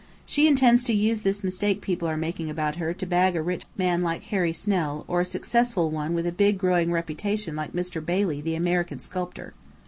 She intends to use this mistake people are making about her, to bag a rich man like Harry Snell, or a successful one with a big, growing reputation like Mr. Bailey the American sculptor.